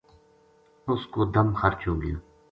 اُ س کو دَم خرچ ہو گیو